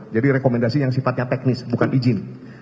jadi rekomendasi yang sifatnya teknis bukan izin